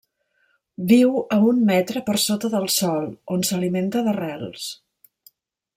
Viu a un metre per sota del sòl, on s'alimenta d'arrels.